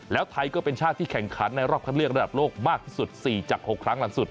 แล้วไทยก็เป็นชาติที่แข่งขันในรอบคันเลือกระดับโลกมากที่สุด๔จาก๖ครั้งหลังสุด